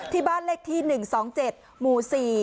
ที่บ้านเลขที่๑๒๗หมู่๔